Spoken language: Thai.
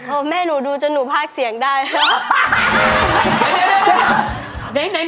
แม่หนูดูจนหนูภาคเสียงได้นะครับ